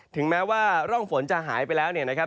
ถึงแม้ว่าร่องฝนจะหายไปแล้วเนี่ยนะครับ